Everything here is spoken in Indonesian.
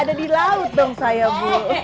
ada di laut dong saya bu